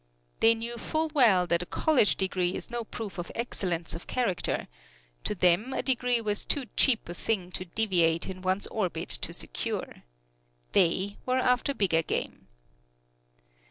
They knew full well that a college degree is no proof of excellence of character; to them a degree was too cheap a thing to deviate in one's orbit to secure. They were after bigger game.